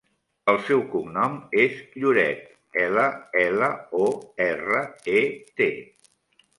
El seu cognom és Lloret: ela, ela, o, erra, e, te.